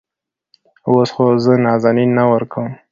اوس خو زه نازنين نه ورکوم.